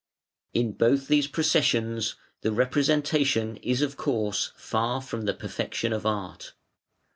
In both these processions the representation is, of course, far from the perfection of Art.